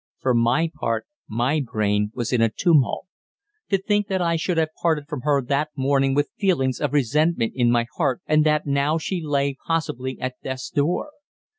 For my part my brain was in a tumult. To think that I should have parted from her that morning with feelings of resentment in my heart, and that now she lay possibly at death's door.